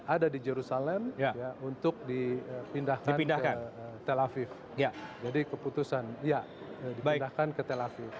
ada di jerusalem untuk dipindahkan ke tel aviv